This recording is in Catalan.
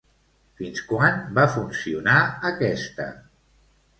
Fins quan va funcionar aquesta?